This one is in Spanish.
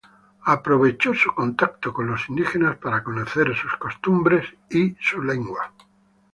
Aprovechando su contacto con los indígenas para conocer sus costumbres y aprender su lengua.